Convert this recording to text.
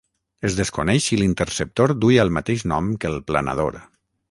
Es desconeix si l'interceptor duia el mateix nom que el planador.